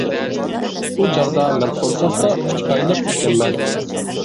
ئۇ چاغدا مەن قورساقتا ئۈچ ئايلىق ئىكەنمەن.